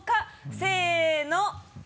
せの！